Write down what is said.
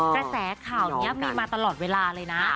กระแสข่าวนี้มีมาตลอดเวลาเลยนะ